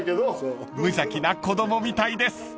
［無邪気な子供みたいです］